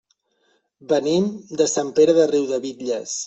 Venim de Sant Pere de Riudebitlles.